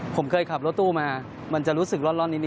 ผมเคยขับรถตู้มามันจะรู้สึกร่อนนิดน